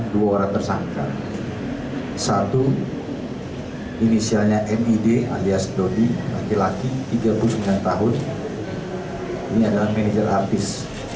dua orang tersangka satu inisialnya mid alias dodi laki laki tiga puluh sembilan tahun ini adalah manajer artis